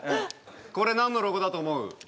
これ何のロゴだと思う？